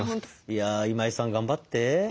いや今井さん頑張って。